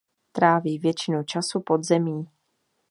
Tráví většinu času pod zemí.